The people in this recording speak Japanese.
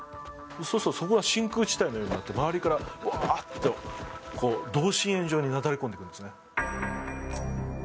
そこが真空地帯になって周りからワーッと同心円状になだれ込んでくるんですね。